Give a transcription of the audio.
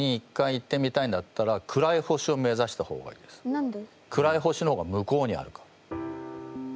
何で？